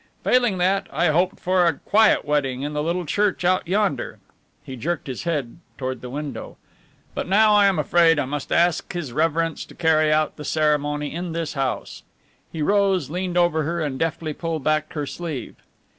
Failing that, I hoped for a quiet wedding in the little church out yonder." He jerked his head toward the window. "But now I am afraid that I must ask his reverence to carry out the ceremony in this house." He rose, leant over her and deftly pulled back her sleeve.